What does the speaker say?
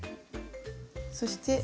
そして。